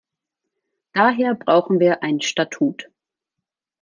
Daher brauchen wir ein Statut.